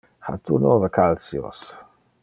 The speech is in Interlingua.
Ha tu nove calceos?